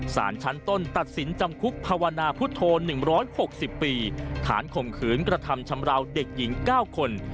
สารชั้นต้นตัดสินจำคุกภาวนาพุทธโธ๑๖๐ปีฐานข่มขืนกระทำชำราวเด็กหญิง๙คน